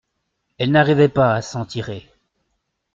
Elle n’arrivait pas à s’en tirer.